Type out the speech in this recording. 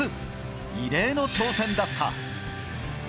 異例の挑戦だった。